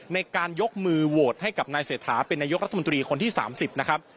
ในการยกมือโหวตให้กับนายเศรษฐาเป็นนายกรัฐมนตรีคนที่๓๐นะครับ